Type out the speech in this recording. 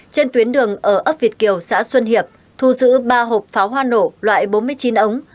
trên tuyến đường ở ấp việt kiều xã xuân hiệp thu giữ ba hộp pháo hoa nổ loại bốn mươi chín ống